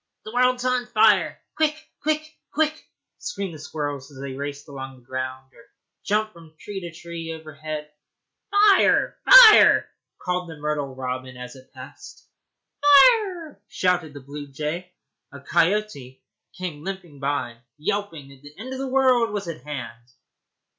'The world's on fire! quick, quick, quick, quick!' screamed the squirrels as they raced along the ground or jumped from tree to tree overhead. 'Fire! fire!' called the myrtle robin as it passed. 'Firrrrrre!' shouted the blue jay. A coyote came limping by, yelping that the end of the world was at hand.